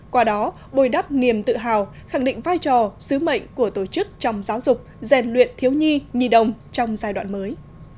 qua đó bồi đắp niềm tự hào khẳng định vai trò sứ mệnh của tổ chức trong giáo dục rèn luyện thiếu nhi nhi đồng trong giai đoạn mới